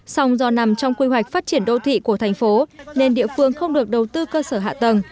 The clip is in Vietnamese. song do nằm trong quy hoạch phát triển đô thị của thành phố nên địa phương không được đầu tư cơ sở hạ tầng